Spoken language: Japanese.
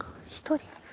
１人。